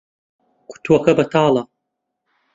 قوتووەکە بەتاڵە.